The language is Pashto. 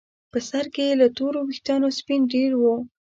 په سر کې یې له تورو ویښتانو سپین ډیر وو.